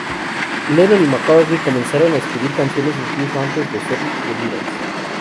Lennon y McCartney comenzaron a escribir canciones incluso antes de ser The Beatles.